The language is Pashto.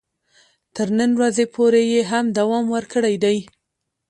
تر نن ورځې پورې یې هم دوام ورکړی دی.